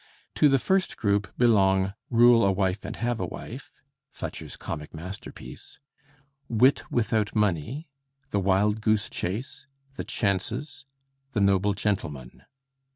To the first group belong 'Rule a Wife and Have a Wife,' Fletcher's comic masterpiece, 'Wit without Money,' 'The Wild Goose Chase,' 'The Chances,' 'The Noble Gentleman.'